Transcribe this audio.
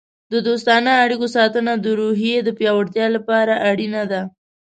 د دوستانه اړیکو ساتنه د روحیې د پیاوړتیا لپاره اړینه ده.